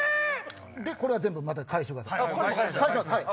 これは全部返してください。